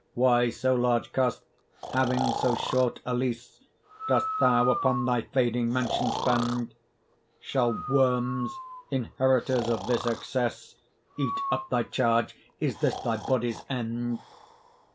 Why so large cost, having so short a lease, Dost thou upon thy fading mansion spend? Shall worms, inheritors of this excess, Eat up thy charge? Is this thy body's end?